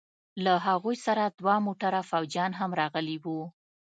له هغوى سره دوه موټره فوجيان هم راغلي وو.